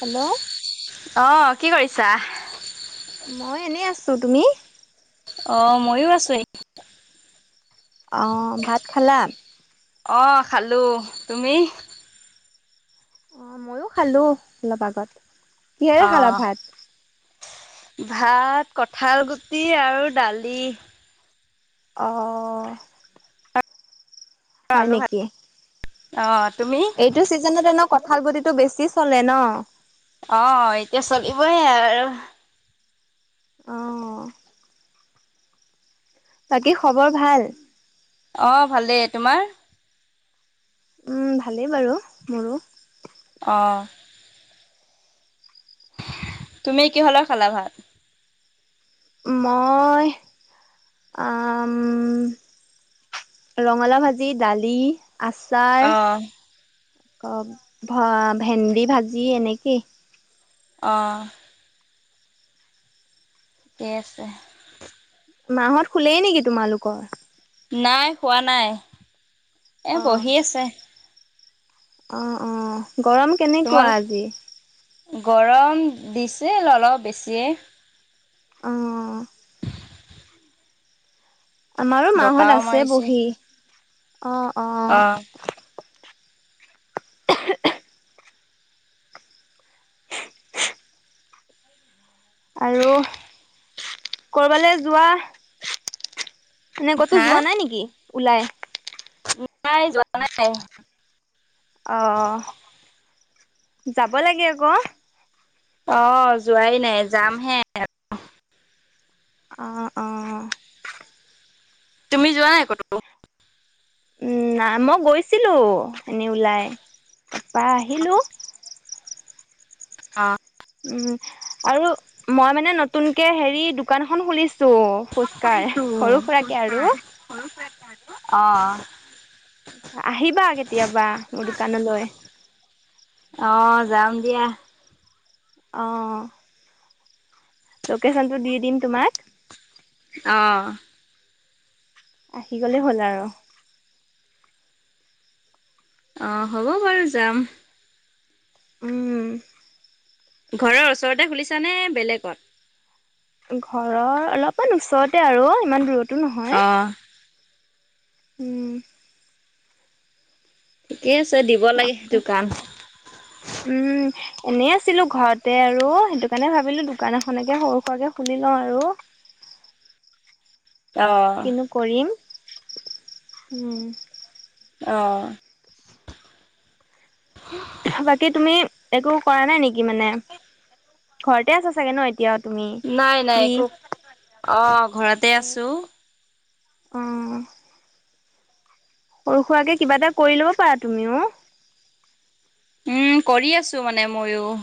Hello. অ কি কৰিছা। মই এনেই আছোঁ তুমি। অ মইয়ো আছো এ। অঁ ভাত খালা। অঁ খালোঁ তুমি। অ মইয়ো খালো অলপ আগত। কিহেৰে খালা অঁ' ভাত ভাত কঠাল গুটি আৰু দালি। অ অ' অ' হয় আলু ভাজি। নেকি? অ', তুমি? এইট- টো চিজনতে এনেও কঁঠাল গুতিটো বেছি চলে ন। অঁ' এতিয়া চলিবইে আৰু। অঁ' বাকী খবৰ ভাল? অঁ ভালেই, তোমাৰ? উম' ভালেই বাৰু মোৰো। অঁ' তুমি কিহৰ লগত খালা ভাত? মইহ আম- ৰঙালাও ভাজি দালি আচ- আচাৰ অ'। আক ভ ভেন্দি ভাজি এনেকেই। যা- অঁ' ঠিকে আছে। মাঁহত শুলেই নেকি তোমালোকৰ? নাই শুৱা নাই, এ বহি আছে। অঁ অঁ গৰম কেনেকুৱা তোমালোক আজি? গৰম দিছিল অলপ বেছিয়ে। অঁ' আমাৰো মাঁহত বতাহও আছে মাৰিছিল বহি, অঁ অঁ। অ', [unintelligible] আৰু কৰবালে যোৱা? নে ক'তো হা? যোৱা নাই নেকি ওলাই? ওলাই যোৱা নাই। অ অ' যাব লাগে আক। অ' যোৱাই নাই যামহে। অঁ অঁ' তুমি যোৱা নাই ক'তো? উম' না মই গৈছিলোঁ এনেই ওলাই তাপা আহিলোঁ। অঁ' উম' আৰু মই মানে নতুনকে হেৰি দোকান এখন খুলিছো, ফুচ- কাৰ সৰু-সুৰাকে আৰু। অঁ অঁ' আহিবা কেতিয়াবা, মোৰ দোকানলৈ। অঁ' যাম দিয়া। অঁ' লোকেশ্যনটো দি দিম তোমাক। অঁ' আহি গ'লেই হ'ল আৰু। অঁ' হ'ব বাৰু যাম। উম'। ঘৰৰ ওচৰতে খুলিছা নে, বেলেগত? ঘৰৰ অলপমান ওচৰতে আৰু, ইমান দূৰতো নহয়। অ', উম। ঠিকে আছে, দিব লাগে আকৌ দোকান। উম। এনেই আছিলো, ঘৰতে আৰু সেইটো কাৰণে ভাবিলো দোকান এখনকে সৰু-সুৰাকে খুলি লওঁ আৰু। অ'। কিনো কৰিম, উম। অ'। বাকী তুমি একো কৰা নাই নেকি মানে, ঘৰতে আছা চাগে ন এতিয়া? নাই নাই একো, অ' ঘৰতে আছো। অহ'। সৰু-সুৰাকে কিবা এটা কৰি ল'ব পাৰা তুমিও। উম কৰি আছো মানে, মইয়ো।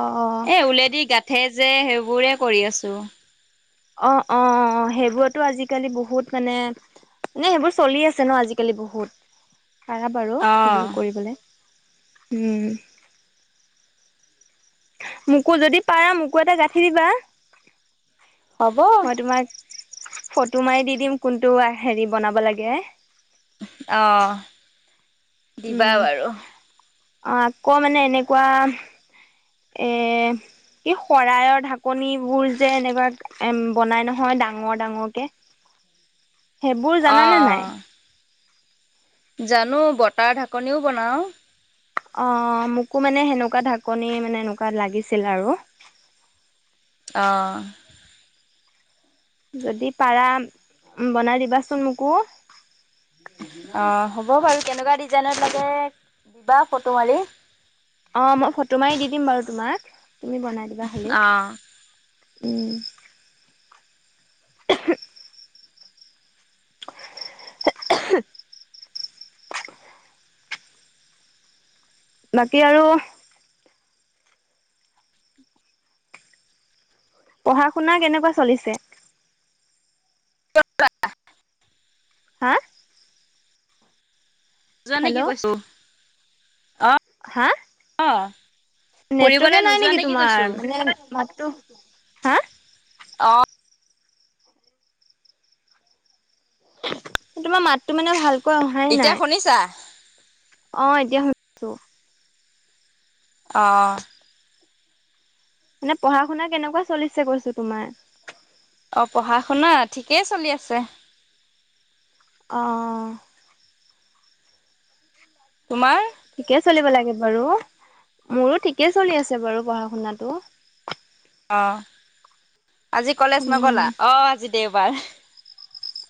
অহ''। এ উলেদি গাঠে যে, সেইবোৰে কৰি আছো। অঁ অঁ সেইবোৰটো আজিকালি বহুত মানে নে সেইবোৰ চলি আছে ন আজিকালি বহুত। পাৰা বাৰু, অ'। সেইবিলাক কৰিবলে, উম। মোকো যদি পাৰ, মোকো এটা গাঁঠি দিবা, হ'ব। মই তোমাক ফটো মাৰি দি দিম কোনটো আ, হেৰি বনাব লাগে। অহ দিবা বাৰু। অহ' আকৌ মানে এনেকুৱা এহ এই শৰাইয়ৰ ঢাকনিবোৰ যে, এনেকুৱা এম বনাই নহয় ডাঙৰ, ডাঙৰকে, সেইবোৰ অ', জানানে নাই? অ', জানো বতাৰ ঢাকনিও বনাওঁ। অ', ' মোকো মানে সেনেকুৱা ঢাকনি মানে, এনেকুৱা লাগিছিল আৰু। অহ। যদি পাৰা বনাই দিবাচোন মোকো। অ' হ'ব বাৰু, কেনেকুৱা ডিজাইনত লাগে দিবা ফটো মাৰি। অ' মই ফটো মাৰি দি দিম বাৰু তোমাক, তুমি বনাই দিবা খালি, অ', উম্। [inaudible] [unintelligible] বাকী আৰু পঢ়া-শুনা কেনেকুৱা চলিছে? [unintelligible] হাঁ? যোৱা নে হেল্ল' কি কৈছো? অ', হা হ। নেটৱৰ্কে নাই নেকি তোমাৰ? মানে মাতটো, হা? অ', তোমাৰ মাতটো মানে ভাল এতিয়া শুনিছা? অ', এতিয়া শুনিছো। অঁ। মানে পঢ়া-শুনা কেনেকুৱা চলিছে, কৈছোঁ তোমাৰ? অ', পঢ়া-শুনা? ঠিকেই চলি আছে। অ', অ', অ'। তোমাৰ? ঠিকে চলিব লাগে বাৰু! মোৰো ঠিকে চলি আছে বাৰু পঢ়া শুনাটো। অ', আজি কলেজ উম নগ'লা? অ', আজি দেওবাৰ।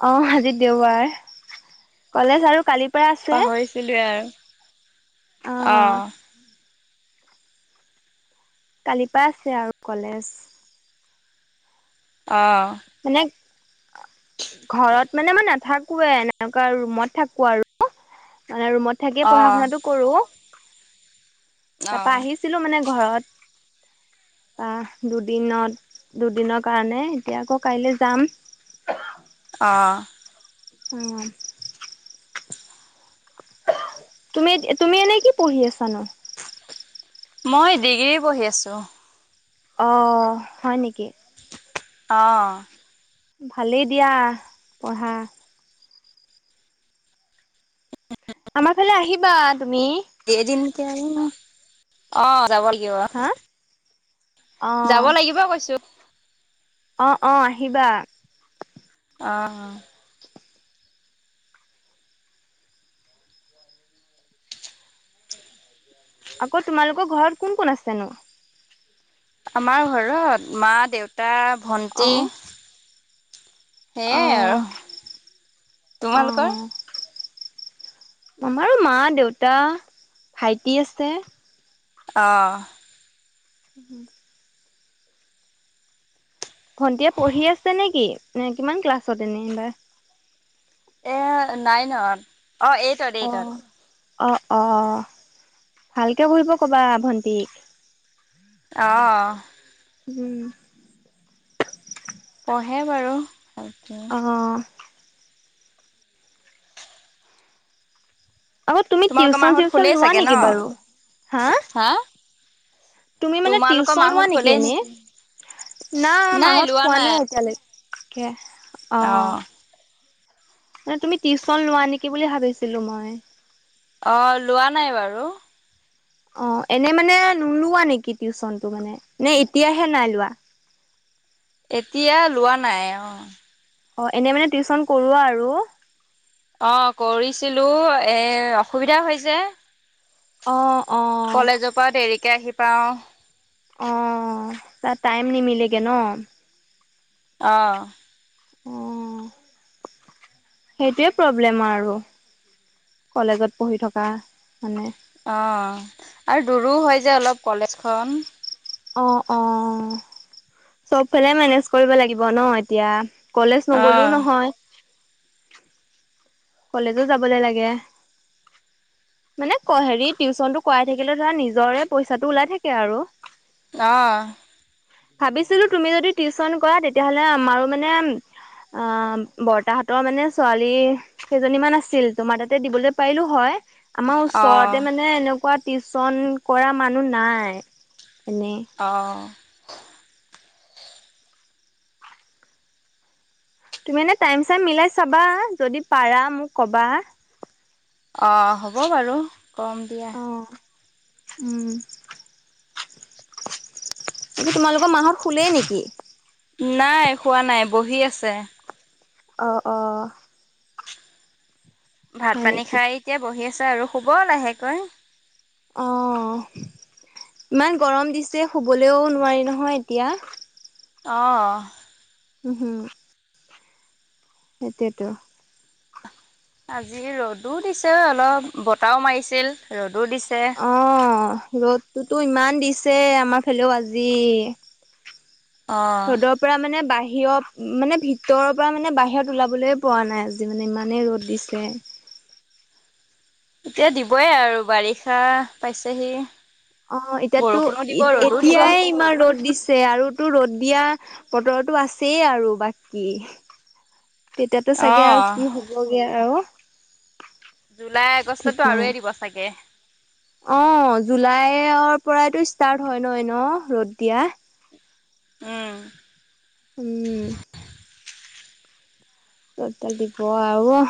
অ', আজি দেওবাৰ। কলেজ আৰু কালি। পাহৰিছিলোৱে আৰু! অ',। কালিৰ পৰা আছে আৰু কলেজ। অ',। মানে, ঘৰত মানে মই নাথাকোৱে। এনেকুৱা ৰুমত থাকোঁ আৰু মানে ৰুমত থাকিয়ে পঢ়া- অ', শুনাটো কৰোঁ। তাৰপা অ', আহিছিলো মানে ঘৰত। আহ দুদিনত, দুদিনৰ কাৰণে। এতিয়া আকৌ, কাইলৈ যাম। অ',। [inaudible] তুমি, তুমি এনেই কি পঢ়ি আছানো? মই ডিগ্ৰী পঢ়ি আছোঁ। অ', হয় নেকি? অ',। ভালেই দিয়া, পঢ়া। আমাৰফালে আহিবা তুমি! [unintelligible] অ', যাব লাগিব। হা অ যাব লাগিব কৈছোঁ। অ', - অ', আহিবা। অ',। [inaudible] আকৌ তোমালোকৰ ঘৰত কোন, কোন আছেনো? আমাৰ ঘৰত! মা-দেউতা, অ ভণ্টি। আৰু। অ', - তোমালোকৰ? অ',। আমাৰো মা-দেউতা, ভাইটি আছে। অ',। [inaudible] ভণ্টিয়ে পঢ়ি আছে নেকি? কিমান ক্লাছত এনে এইবাৰ? এ, নাইনত। অ', এইটত এইটত। অ', অ', অ', ভালকে পঢ়িব ক'বা ভণ্টিক। অ',। [inaudible] পঢ়ে বাৰু! অ আকৌ, তুমি তোমালোকৰ টিউশ্যন- মাহত চিউশ্যন শুলেই লোৱা চাগে ন? নেকি বাৰু? হা! তুমি মানে তোমালোকৰ টিউশ্যন লোৱা মাহত নেকি শুলেই এনে? না, নাই মাঁহত শুৱা নাই, এতিয়ালৈকে! অ অঁ'। মানে তুমি টিউচন লোৱা নেকি বুলি ভাবিছিলো মই। অ লোৱা নাই বাৰু। অঁ এনে মানে নোলোৱা নেকি টিউচন টো মানে? নে এতিয়াহে নাই লোৱা? এতিয়া লোৱা নাই অ। অ এনেই মানে টিউশচন কৰোৱা আৰু। অ কৰিছিলোঁ এ অসুবিধা হয় যে। অ অ পুৰা দেৰিকে আহি পাওঁ। অ তা টাইম নিমিলেগে ন। অ অ সেইটোৱে প্ৰব্লেম আৰু। কলেজত পঢ়ি থকা মানে অ আৰু দূৰো হয় যে অলপ কলেজখন। অ অ, চবফালে মেনেজ কৰিব লাগিব ন এতিয়া। কলেজ নগলেও অ', নহয়। কলেজো যাবলে লাগে। মানে হেৰি টিউশচনটো কৰাই থাকিলে ধৰা নিজৰে পইচাটো ওলাই থাকে আৰু। অ ভাবিছিলোঁ তুমি যদি টিউচন কৰা তেতিয়াহ'লে আমাৰো মানে আ বৰ্তাহঁতৰ মানে ছোৱালী কেইজনী মান আছিল, তোমাৰ তাতে দিবলে পাৰিলোঁ হয়, আমাৰ ওচৰতে অ', মানে এনেকুৱা টিউচন কৰা মানুহ নাই, এনেই অহ তুমি এনেই টাইম-চাইম মিলাই চাবা যদি পাৰা মোক কবা। অ হ'ব বাৰু কম দিয়া। অ উম! আজি তোমালোকৰ মাহত শুলেই নেকি? নাই শুৱা নাই বহি আছে। অ অ ভাত হয় পানী নেকি খাই এতিয়া বহি আছে আৰু শুব লাহেকৈ। অহ, ইমান গৰম দিছে শুবলৈও নোৱাৰি নহয় এতিয়া। অ। উম হুম। সেইটোৱেতো। আজি ৰ'দো দিছে অলপ বতাহও মাৰিছিল ৰ'দো দিছে। অ ৰ'দটোতো ইমান দিছে আমাৰ ফালেও আজি। অ', ৰদপ পৰা মানে বাহিৰত মানে ভিতৰৰ পৰা মানে বাহিৰত ওলাবলৈ পোৱা নাই আজি মানে ইমানে ৰ'দ। দিছে। এতিয়া দিবই আৰু বাৰিষা পাইছেহি। অ এতিয়াতো বৰষুণো দিব ৰ'দো দিব এতিয়াই ইমান ৰ'দ দিছে আৰু তো ৰ'দ দিয়া বতৰতো আছেই আৰু বাকী। তেতিয়াতো চাগে আৰু অ'। কি হ'বগে আৰু। জুলাই ঠিক আগষ্টতো নাই। আৰুয়ে দিব চাগে। অ জুলাইৰ পৰাইতো ষ্টাৰ্ট হয় ন ন ৰ'দ দিয়া। উম! উম, [inaudible] ৰ'দ দাল দিব আৰু ন।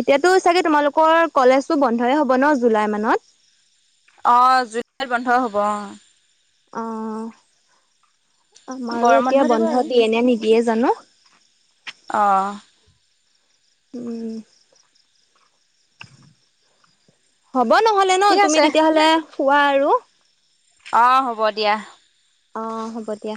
এতিয়াতো চাগে তোমালোকৰ কলেজতো বন্ধই হ'ব ন জুলাই মানত। অ জুলাইত বন্ধ হব অ অ আমাৰো গৰম এতিয়া দিব আৰু বন্ধ দিয়ে নে নিদিয়ে জানো অ উম হ'ব নহলে ন ঠিক তুমি আছে। তেতিয়াহলে শুৱা আৰু অ হ'ব দিয়া অ হ'ব দিয়া